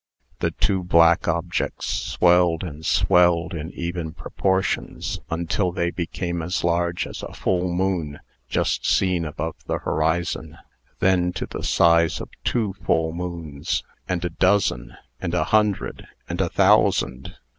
The two black objects swelled and swelled in even proportions, until they became as large as a full moon just seen above the horizon; then to the size of two full moons, and a dozen, and a hundred, and a thousand.